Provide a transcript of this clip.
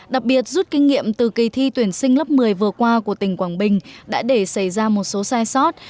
đặc biệt rút kinh nghiệm từ kỳ thi tuyển sinh lớp một mươi vừa qua của tỉnh quảng bình đã để xảy ra một số sai sót